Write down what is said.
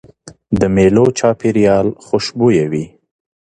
د مېلو چاپېریال خوشبويه وي.